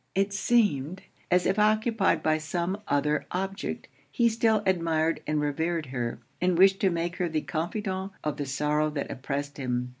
It seemed, as if occupied by some other object, he still admired and revered her, and wished to make her the confidant of the sorrow that oppressed him.